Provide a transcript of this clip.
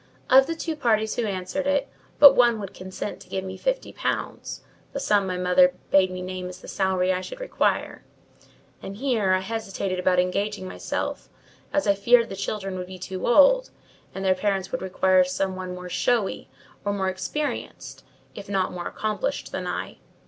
Of the two parties who answered it, but one would consent to give me fifty pounds, the sum my mother bade me name as the salary I should require; and here, I hesitated about engaging myself, as I feared the children would be too old, and their parents would require some one more showy, or more experienced, if not more accomplished than I.